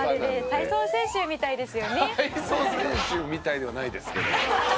「体操選手みたいではないですけど」